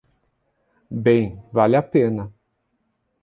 Bem, vale a pena.